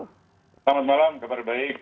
selamat malam kabar baik